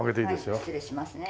はい失礼しますね。